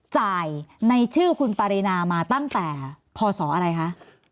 จ่ายในชื่อคุณปรินามาตั้งแต่พศอะไรคะ